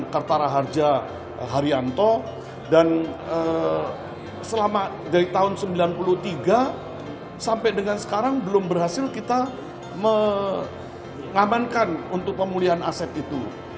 kertara harja haryanto dan selama dari tahun seribu sembilan ratus sembilan puluh tiga sampai dengan sekarang belum berhasil kita mengamankan untuk pemulihan aset itu